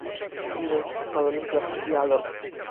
Innym sposobem jest lepszy dialog